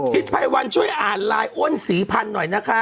ไพวันช่วยอ่านไลน์อ้นศรีพันธุ์หน่อยนะคะ